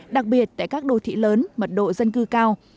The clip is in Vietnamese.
đặc biệt tại các đô thị lớn mật độ dân cư cao